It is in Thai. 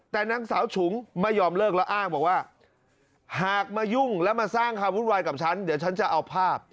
แต่นางสาวฉุงไม่ยอมเลิกแล้วอ้างบอกว่าหากมายุ่งแล้วมาสร้างความวุ่นวายกับฉันเดี๋ยวฉันจะเอาภาพ